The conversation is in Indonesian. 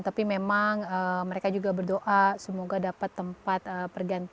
tapi memang mereka juga berdoa semoga dapat tempat pergantian